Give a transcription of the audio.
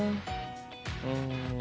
うん。